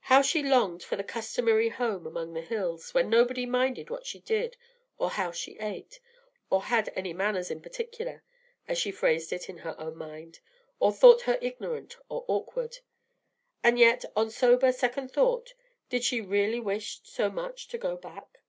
How she longed for the old customary home among the hills, where nobody minded what she did, or how she ate, or "had any manners in particular," as she phrased it to her own mind, or thought her ignorant or awkward. And yet, on sober second thought, did she really wish so much to go back?